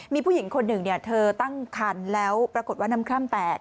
มีผู้หญิงคนหนึ่งเธอตั้งคันแล้วปรากฏว่าน้ำคร่ำแตก